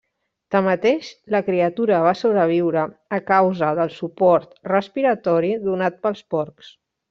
Tanmateix, la criatura va sobreviure a causa del suport respiratori donat pels porcs.